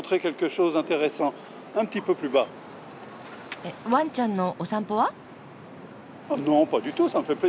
えっワンちゃんのお散歩は？